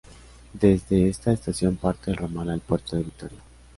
Desde esta estación parte el ramal al puerto de Victoria.